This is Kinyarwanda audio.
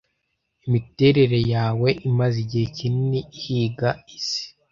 imiterere yawe imaze igihe kinini ihiga isi